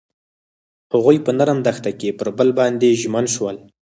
هغوی په نرم دښته کې پر بل باندې ژمن شول.